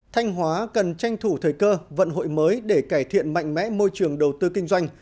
thanh hóa cần tranh thủ thời cơ vận hội mới để cải thiện mạnh mẽ môi trường đầu tư kinh doanh